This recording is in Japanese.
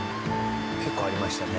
結構ありましたね。